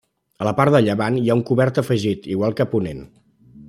A la part de llevant hi ha un cobert afegit, igual que a ponent.